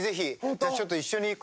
じゃあちょっと一緒に行こ。